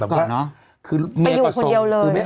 เขตก่อนเนาะไปอยู่คนเดียวเลย